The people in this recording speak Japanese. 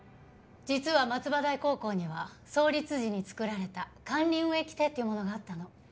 実は松葉台高校には創立時に作られた管理運営規定というものがあったの。